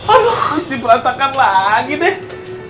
aduh diperlantakan lagi deh